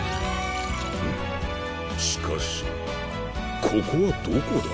しかしここはどこだ？